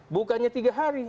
bukannya tiga hari